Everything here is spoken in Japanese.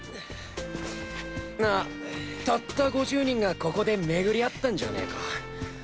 なあたった５０人がここで巡り合ったんじゃねえか。